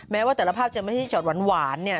แม้ว่าแต่ละภาพจะไม่ใช่ช็อตหวานเนี่ย